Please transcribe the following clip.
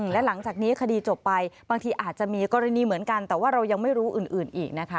และหลังจากนี้คดีจบไปบางทีอาจจะมีกรณีเหมือนกันแต่ว่าเรายังไม่รู้อื่นอีกนะคะ